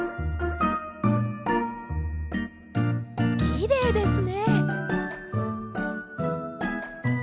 きれいですね。